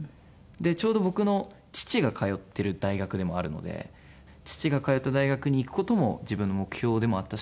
ちょうど僕の父が通ってる大学でもあるので父が通った大学に行く事も自分の目標でもあったし。